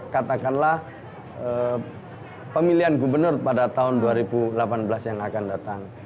katakanlah pemilihan gubernur pada tahun dua ribu delapan belas yang akan datang